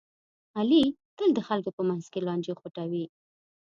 علي تل د خلکو په منځ کې لانجې خوټوي.